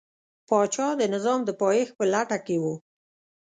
پاچا د نظام د پایښت په لټه کې و.